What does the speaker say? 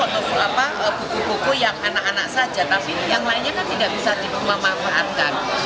atau buku buku yang anak anak saja tapi yang lainnya kan tidak bisa dimanfaatkan